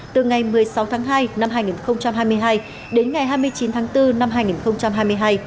từ ngày một mươi sáu tháng hai năm hai nghìn hai mươi hai đến ngày hai mươi chín tháng bốn năm hai nghìn hai mươi hai